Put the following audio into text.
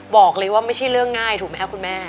บอกเลยว่าไม่ใช่เรื่องง่ายถูกไหมครับคุณแม่